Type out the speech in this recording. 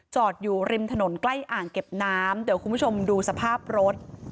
อยู่ริมถนนใกล้อ่างเก็บน้ำเดี๋ยวคุณผู้ชมดูสภาพรถ